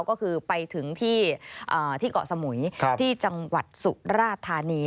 ก็คือไปถึงที่เกาะสมุยที่จังหวัดสุราธานี